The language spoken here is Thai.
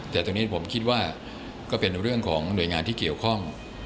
แต่ตรงนี้ผมคิดว่าก็เป็นเรื่องของหน่วยงานที่เกี่ยวข้อง